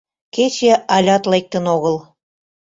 Кече алят лектын огыл.